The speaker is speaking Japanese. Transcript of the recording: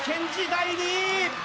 第２位！